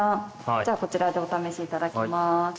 じゃあ、こちらでお試しいただきます。